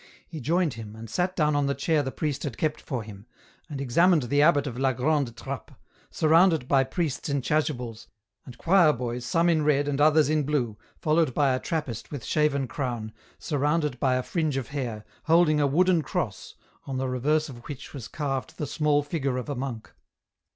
He joined him, and sat down on the chair the priest had kept for him, and examined the abbot of La Grande Trappe, surrounded by priests in chasubles, and choir boys some in red and others in blue, followed by a Trappist with shaven crown, surrounded by a fringe of hair, holding a wooden cross, on the reverse of which was carved the small figure of a monk.